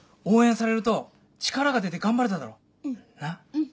うん。